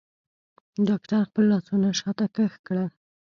ډاکتر خپل لاسونه شاته کښ کړل.